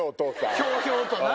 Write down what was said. ひょうひょうとな。